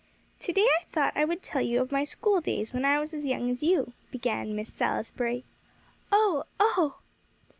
"To day I thought I would tell you of my school days when I was as young as you," began Miss Salisbury. "Oh oh!"